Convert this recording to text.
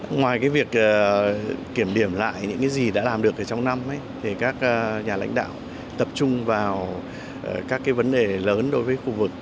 ngoài việc kiểm điểm lại những gì đã làm được trong năm các nhà lãnh đạo tập trung vào các vấn đề lớn đối với khu vực